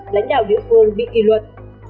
những đảo địa phương bị kỳ luật